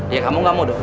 ya kamu gak mau dong